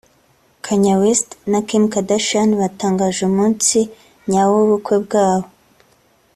Kanye West na Kim Kardashian batangaje umunsi nyawo w’ubukwe bwabo